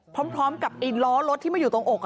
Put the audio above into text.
พร้อมกับล้อรถที่มาอยู่ตรงอก